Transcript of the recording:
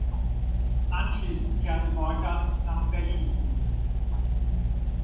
Anschließend kehrte Borchardt nach Berlin zurück.